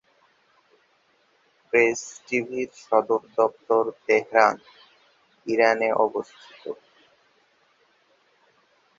Press টিভির সদর দপ্তর তেহরান, ইরানে অবস্থিত।